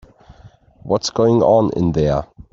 What's going on in there?